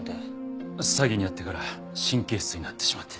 詐欺に遭ってから神経質になってしまって。